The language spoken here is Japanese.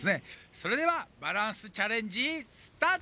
それではバランスチャレンジスタート！